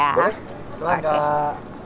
boleh selamat datang